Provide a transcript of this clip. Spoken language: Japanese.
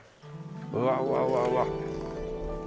うわうわうわうわ！